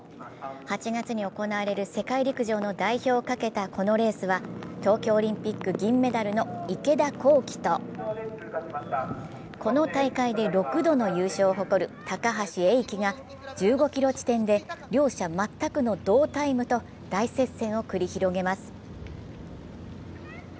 ８月に行われる世界陸上の代表をかけたこのレースは東京オリンピック銀メダルの池田向希とこの大会で６度の優勝を誇る高橋英輝が１５ｋｍ地点で両者全くの同タイムと大接戦を繰り広げます。